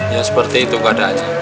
ya seperti itu gak ada aja